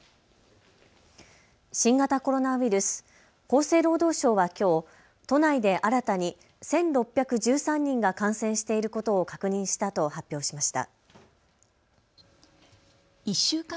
新型コロナウイルス、厚生労働省はきょう都内で新たに１６１３人が感染していることを確認したと発表しました。